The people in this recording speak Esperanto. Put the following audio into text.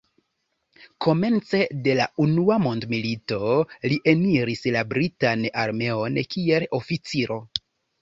Komence de la unua mondmilito li eniris la britan armeon kiel oficiro.